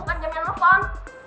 bukan jamnya telepon